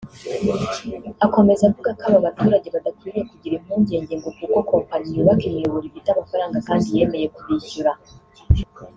Akomeza avuga ko aba baturage badakwiriye kugira impungenge ngo kuko kompanyi yubaka imiyoboro ifite amafaranga kandi yemeye kubishyura